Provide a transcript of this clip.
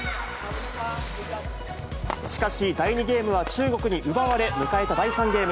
しかし第２ゲームは中国に奪われ、迎えた第３ゲーム。